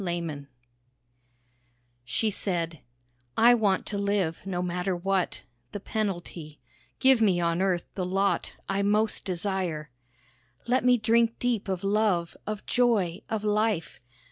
PURGATORY She said, "I want to live no matter what The penalty, give me on earth the lot I most desire. Let me drink deep of love, of joy, of life.